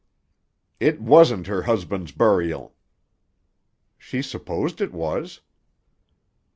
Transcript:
"It wasn't her husband's burial." "She supposed it was."